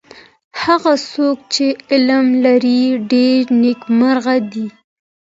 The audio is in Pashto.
هغه څوک چی علم لري ډېر نیکمرغه دی.